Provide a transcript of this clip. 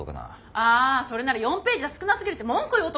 あそれなら４ページじゃ少なすぎるって文句言おうと思ってたんだけど。